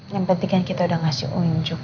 yang penting kan kita udah ngasih unjuk